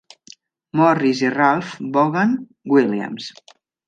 Morris i Ralph Vaughan Williams.